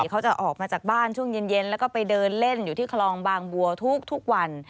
เขาจะออกมาจากบ้านช่วงเย็นแล้วก็ไปเดินเล่นอยู่ที่คลองบางบัวทุกวัน